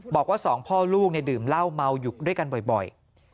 บอกว่าสองพ่อลูกดื่มเหล้าเมาอยู่ด้วยกันบ่อย